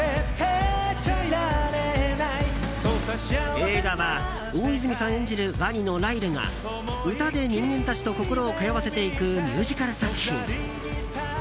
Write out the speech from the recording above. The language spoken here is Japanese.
映画は大泉さん演じるワニのライルが歌で人間たちと心を通わせていくミュージカル作品。